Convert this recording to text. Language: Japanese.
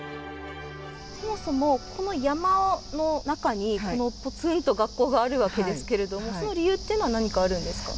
そもそもこの山の中に、ぽつんと学校があるわけですけれども、その理由っていうのは何かあるんですか？